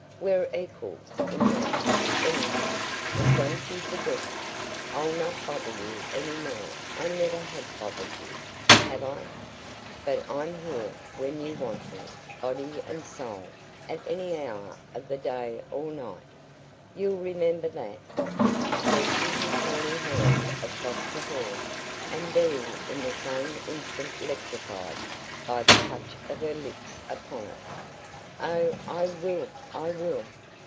We're equals in that, anyhow, and don't you forget it. I'll not bother you any more I never have bothered you, have I? but I'm here when you want me, body and soul, at any hour of the day or night. You'll remember that?" stretching his horny hand across to her, and being in the same instant electrified by the touch of her lips upon it. "Oh, I will! I will!"